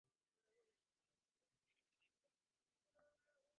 তাই দিনরাত্রি ঐ বেদী আঁকড়ে পড়ে থাকতে চাই।